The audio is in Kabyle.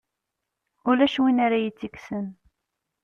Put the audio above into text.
Ulac win ara iyi-tt-yekksen.